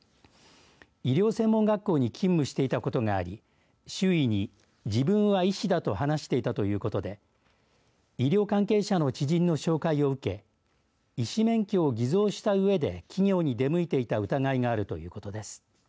医療専門学校に勤務していたことがあり周囲に自分は医師だと話していたということで医療関係者の知人の紹介を受け医師免許を偽造したうえで企業に出向いていた疑いがあるということです。